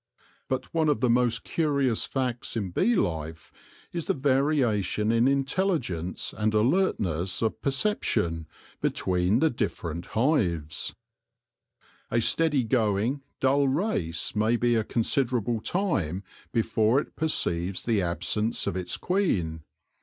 But one of the most curious facts in bee life is the variation in intelligence, and alertness of H4 THE LORE OF THE HONEY BEE perception, between the different hives. A steady going, dull race may be a considerable time before it perceives the absence of its queen.